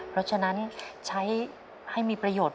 เพราะฉะนั้นใช้ให้มีประโยชน์